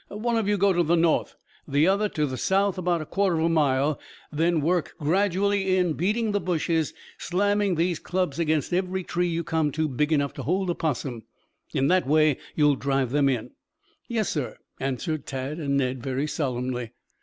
One of you go to the north, the other to the south about a quarter of a mile, then work gradually in, beating the bushes, slamming these clubs against every tree you come to big enough to hold a 'possum. In that way you'll drive them in." "Yes, sir," answered Tad and Ned very solemnly.